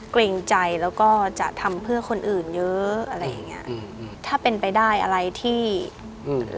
เกรงใจแล้วก็จะทำเพื่อคนอื่นเยอะอะไรอย่างเงี้ยอืมถ้าเป็นไปได้อะไรที่อืม